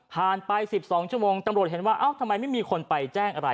ไป๑๒ชั่วโมงตำรวจเห็นว่าเอ้าทำไมไม่มีคนไปแจ้งอะไร